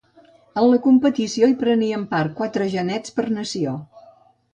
En la competició hi prenien part quatre genets per nació.